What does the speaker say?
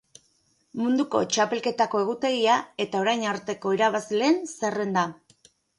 Munduko txapelketako egutegia eta orain arteko irabazleen zerrenda.